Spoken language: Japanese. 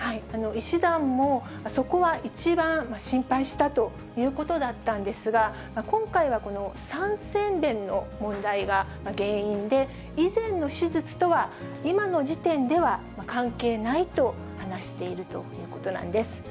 医師団も、そこは一番心配したということだったんですが、今回はこの三尖弁の問題が原因で、以前の手術とは、今の時点では関係ないと話しているということなんです。